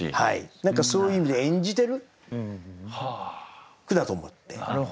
何かそういう意味で演じてる句だと思って。